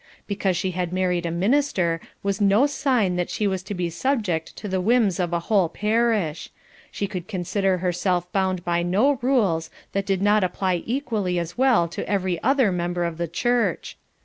Because she had married a minister was no sign that she was to be subject to the whims of a whole parish; she could consider herself bound by no rules that did not apply equally as well to every other member of the church.